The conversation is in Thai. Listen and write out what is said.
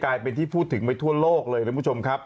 กลายเป็นที่พูดถึงไปทั่วโลกเลยนะคุณผู้ชมครับ